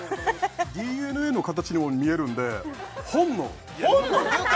ＤＮＡの形にも見えるんで本能本能言うか！